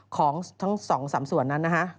ของทั้งสองสามส่วนนั้นนะฮะ